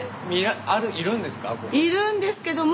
いるんですけども。